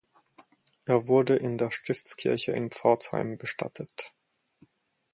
Er wurde in der Stiftskirche in Pforzheim bestattet.